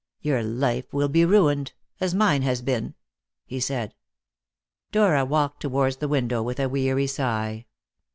"Your life will be ruined, as mine has been," he said. Dora walked towards the window with a weary sigh.